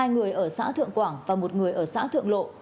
hai người ở xã thượng quảng và một người ở xã thượng lộ